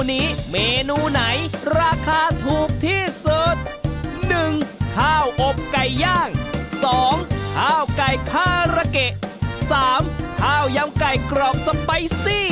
ไฟไหม้ศุกร์ทั้งหลังเลย